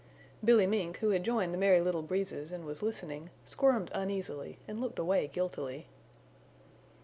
Billy Mink, who had joined the Merry Little Breezes and was listening, squirmed uneasily and looked away guiltily.